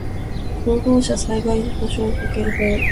労働者災害補償保険法